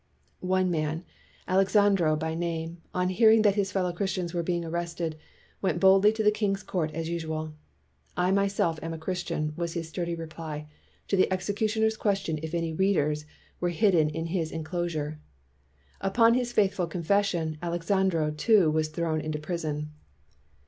One man, Alexandro by name, on hearing that his fellow Christians were being ar rested, went boldly to the king's court as usual. "I myself am a Christian," was his sturdy reply to the executioner's question if any "readers" were hidden in his enclos ure. Upon this faithful confession, Alex andro, too, was thrown into prison.